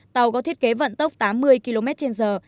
tàu có thiết kế vận tốc tám mươi km trên giờ